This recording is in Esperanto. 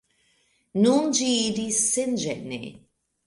Nun ĝi iris senĝene.